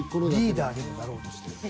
リーダーにもなろうとしてる。